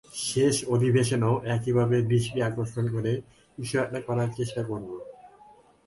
শেষ অধিবেশনেও একইভাবে দৃষ্টি আকর্ষণ করে কিছু একটা করার চেষ্টা করব।